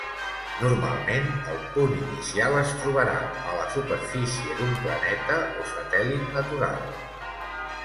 Normalment el punt inicial es trobarà a la superfície d'un planeta o satèl·lit natural.